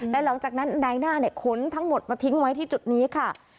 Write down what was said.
และหลังจากนั้นนายหน้าขนทั้งหมดมาทิ้งไว้ที่จุดนี้ค่ะ